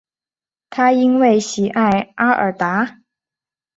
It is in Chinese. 他因为喜爱阿尔达。